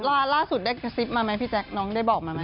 ล่าสุดได้กระซิบมาไหมพี่แจ๊คน้องได้บอกมาไหม